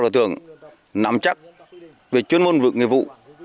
tưởng nắm chắc về chuyên môn vượt nghiệp vụ